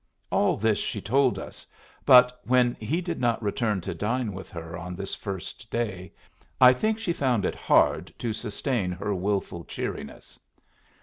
All this she told us; but when he did not return to dine with her on this first day, I think she found it hard to sustain her wilful cheeriness.